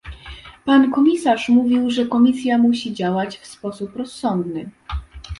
Pan komisarz mówił, że Komisja musi działać w sposób rozsądny